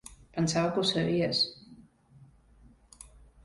Pensava que ho sabies.